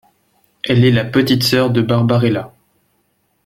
Elle est la petite sœur de Barbarella.